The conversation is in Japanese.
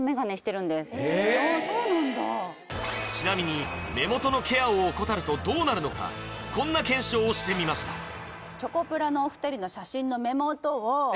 ちなみに目元のケアを怠るとどうなるのかこんな検証をしてみましたえっ？